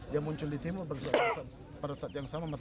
dia muncul di timur pada saat yang sama